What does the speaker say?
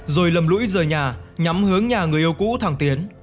rồi lầm lỗi rời nhà nhắm hướng nhà người yêu cũ thẳng tiến